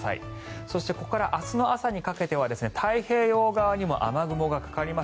そして、ここから明日の朝にかけては太平洋側にも雨雲がかかります。